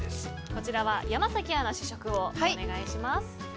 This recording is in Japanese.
こちらは山崎アナ試食をお願いします。